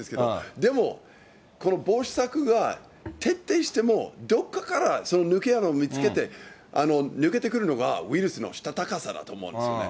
でも、この防止策が徹底してもどっかから抜け穴を見つけて、抜けてくるのがウイルスのしたたかさだと思うんですよね。